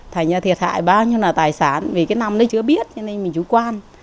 thành là thiệt hại bao nhiêu là tài sản vì cái năm đó chưa biết cho nên mình chú quan